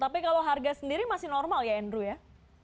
tapi kalau harga sendiri masih normal ya andrew ya